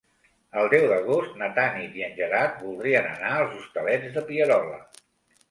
El deu d'agost na Tanit i en Gerard voldrien anar als Hostalets de Pierola.